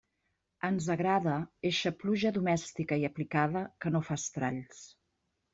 Ens agrada eixa pluja domèstica i aplicada que no fa estralls.